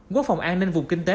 quốc phòng an ninh vùng kinh tế